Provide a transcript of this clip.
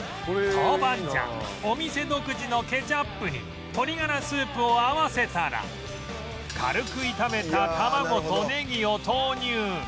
豆板醤お店独自のケチャップに鶏ガラスープを合わせたら軽く炒めた卵とネギを投入